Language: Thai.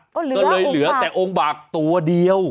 ก็เลยเหลือแต่องค์บากตัวเดียว